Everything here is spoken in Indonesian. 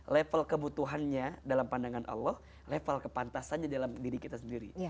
level kebutuhannya dalam pandangan allah level kepantasannya dalam diri kita sendiri